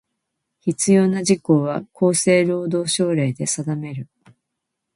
必要な事項は、厚生労働省令で定める。